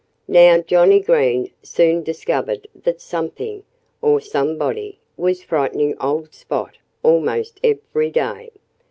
Now, Johnnie Green soon discovered that something or somebody was frightening old Spot almost every day.